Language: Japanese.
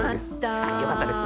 よかったです